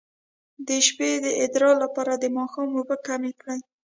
د شپې د ادرار لپاره د ماښام اوبه کمې کړئ